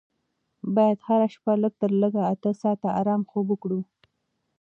باید هره شپه لږ تر لږه اته ساعته ارامه خوب وکړو.